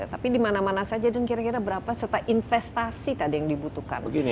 tapi di mana mana saja dan kira kira berapa serta investasi tadi yang dibutuhkan